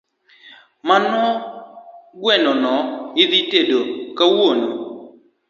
Mano guenono idhi tedi kawuono